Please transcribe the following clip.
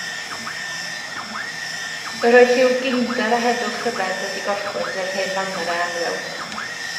Yr oedd rhyw geinder a heddwch rhyfedd wedi gorffwys ar yr hen fangre annwyl.